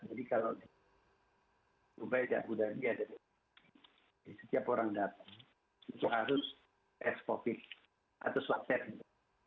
jadi kalau di dubai dan budhajia jadi setiap orang datang itu harus tes covid atau swab test